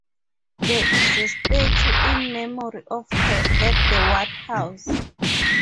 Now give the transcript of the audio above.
There is a statue in memory of her at the Ward house.